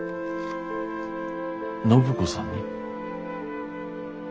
暢子さんに？